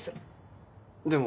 でも。